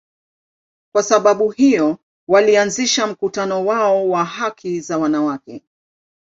Kwa sababu hiyo, walianzisha mkutano wao wa haki za wanawake.